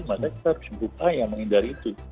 maka kita harus berupaya menghindari itu